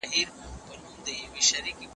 که نجلۍ په قتل کي ورکړل سي دا حرام دي.